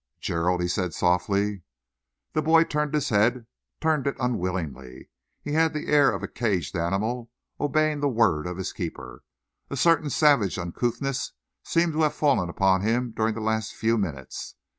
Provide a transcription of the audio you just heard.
"Gerald!" he said softly. The boy turned his head, turned it unwillingly. He had the air of a caged animal obeying the word of his keeper. A certain savage uncouthness seemed to have fallen upon him during the last few minutes.